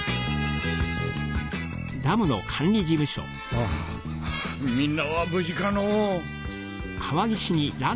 ああみんなは無事かのぉ。